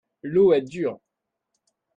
L'eau est dure.